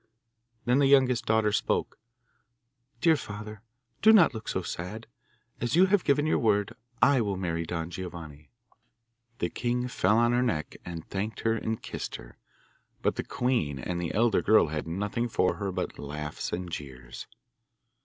Then the youngest daughter spoke: 'Dear father, do not look so sad. As you have given your word, I will marry Don Giovanni.' The king fell on her neck, and thanked her and kissed her, but the queen and the elder girl had nothing for her but laughs and jeers.